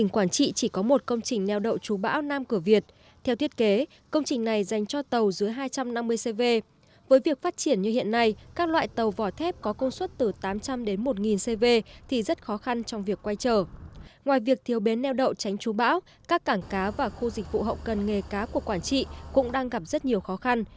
các cảng cá và khu dịch vụ hậu cân nghề cá của quảng trị cũng đang gặp rất nhiều khó khăn